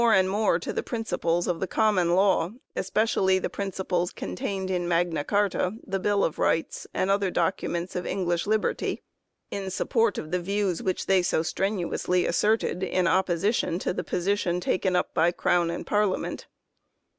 and more to the principles of the Common Law especially the principles con tained in Magna Carta, the Bill of Rights, and other documents of English liberty in support of the views which they so strenuously asserted in opposition to the position taken up by Crown and Parliament.